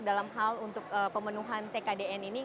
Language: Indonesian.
dalam hal untuk pemenuhan tkdn ini